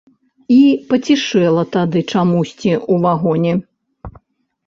І пацішэла тады чамусьці ў вагоне.